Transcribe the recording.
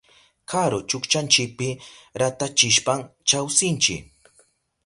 Kuru chukchanchipi ratarishpan chawsinchi.